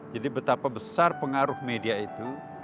jadi betapa besar pengaruh media itu